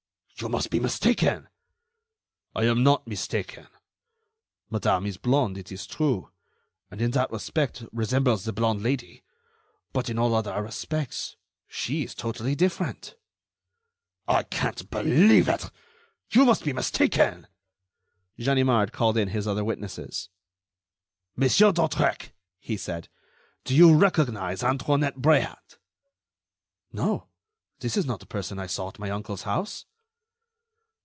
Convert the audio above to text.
You must be mistaken...." "I am not mistaken. Madame is blonde, it is true, and in that respect resembles the blonde Lady; but, in all other respects, she is totally different." "I can't believe it. You must be mistaken." Ganimard called in his other witnesses. "Monsieur d'Hautrec," he said, "do you recognize Antoinette Bréhat?" "No, this is not the person I saw at my uncle's house."